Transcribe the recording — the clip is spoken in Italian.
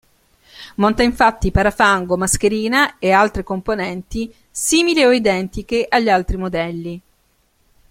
Monta infatti parafango, mascherina e altre componenti simili o identiche agli altri modelli.